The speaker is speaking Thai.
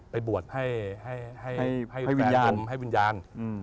ไปบวชให้แม่ชีให้วิญญาณ